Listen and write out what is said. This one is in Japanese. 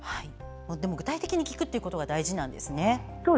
具体的に聞くことが大事なんですね。